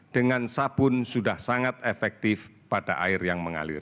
dengan sabun sudah sangat efektif pada air yang mengalir